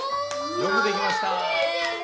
よくできました！